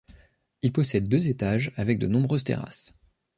Il possède deux étages, avec de nombreuses terrasses.